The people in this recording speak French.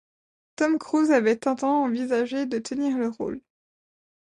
Tom Cruise avait un temps envisagé de tenir le rôle.